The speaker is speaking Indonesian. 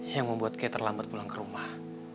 yang membuat ke terlambat pulang ke rumah